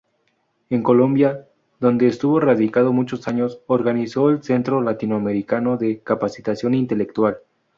En Colombia, donde estuvo radicado muchos años, organizó el Centro Latinoamericano de Capacitación Intelectual.